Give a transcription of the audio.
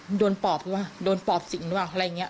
มันโดนปอบหรือเปล่าโดนปอบสิงว่ะอะไรอย่างนี้